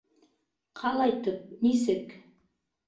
Ҡалайтып... нисек?